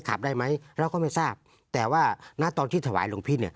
ได้ไหมเราก็ไม่ทราบแต่ว่าณตอนที่ถวายหลวงพี่เนี่ย